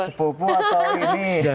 sepupu atau ini